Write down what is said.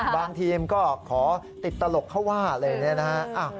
บางทีมก็ขอติดตลกเข้าว่าเลยนะฮะ